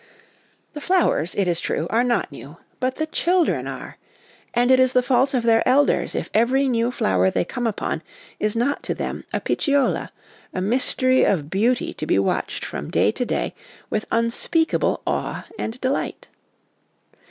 The flowers, it is true, are not new ; but the children are ; and it is the fault of their elders if every new flower they come upon is not to them a Picciola, a mystery of beauty to be watched from day to day with unspeakable awe and delight.